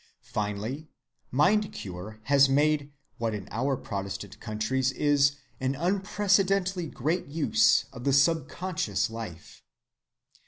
Finally, mind‐cure has made what in our protestant countries is an unprecedentedly great use of the subconscious life.